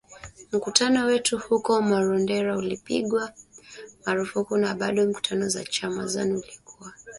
Mkutano wetu huko Marondera ulipigwa marufuku na bado mkutano wa chama Zanu ulikuwa kwenye magari na mikutano mingine haikupigwa \katika eneo hilo hilo